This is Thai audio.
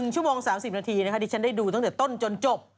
ชั่วโมง๓๐นาทีนะคะดิฉันได้ดูตั้งแต่ต้นจนจบ